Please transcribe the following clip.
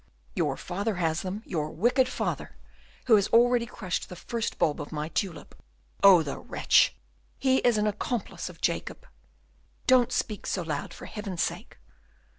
"Your father has them, your wicked father, who has already crushed the first bulb of my tulip. Oh, the wretch! he is an accomplice of Jacob!" "Don't speak so loud, for Heaven's sake!"